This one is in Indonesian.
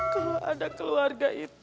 kalau ada keluarnya